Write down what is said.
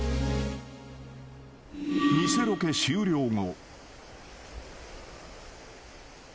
［偽ロケ終了後］